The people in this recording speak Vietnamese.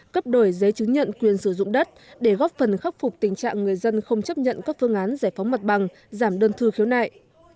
cấp đổi giấy chứng nhận quyền sử dụng đất để góp phần khắc phục tình trạng người dân không chấp nhận các phương án giải phóng mặt bằng giảm đơn thư khiếu nại